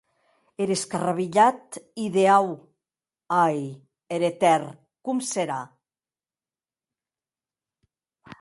Er escarrabilhat ideau, ai!, er etèrn com serà?